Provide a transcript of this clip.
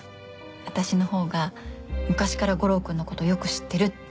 私の方が昔から悟郎君のことよく知ってるっていう。